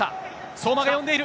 相馬が呼んでいる。